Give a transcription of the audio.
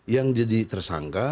yang jadi tersangka